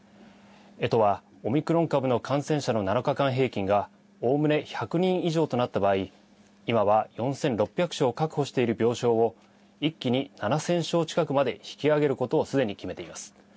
都はオミクロン株の感染者の７日間平均がおおむね１００人以上となった場合、今は４６００床確保している病床を一気に７０００床近くまで引き上げることをすでに決めています。